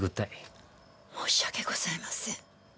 申し訳ございません。